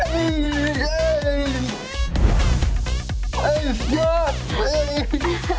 สุดยอดแต่ว่าน้อง